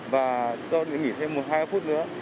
và do nghỉ thêm một hai phút nữa